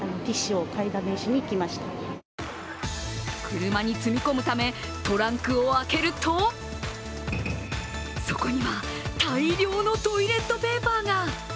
車に積み込むためトランクを開けるとそこには大量のトイレットペーパーが。